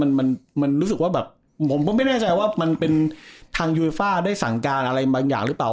มันมันรู้สึกว่าแบบผมก็ไม่แน่ใจว่ามันเป็นทางยูยฟ่าได้สั่งการอะไรบางอย่างหรือเปล่า